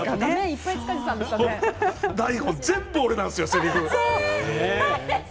台本、全部俺なんですよせりふが。